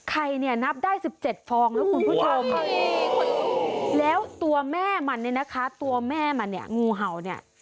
ไข่นี้นับได้๑๗ฟองแล้วคุณผู้ชมแล้วตัวแม่มันตัวแม่มันนี้งูเห่าเนี่ย